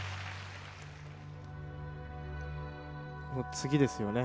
次ですよね。